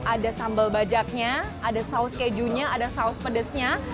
ada sambal bajaknya ada saus kejunya ada saus pedesnya